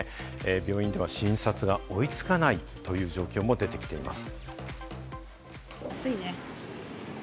病院では診察が追いつかないという状況も出てきています。